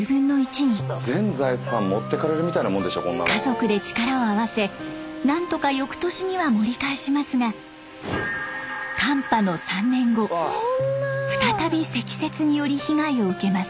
家族で力を合わせなんとかよくとしには盛り返しますが寒波の３年後再び積雪により被害を受けます。